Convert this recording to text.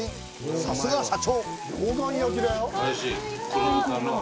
さすが社長！